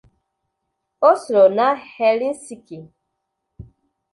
Oslo na Helsinki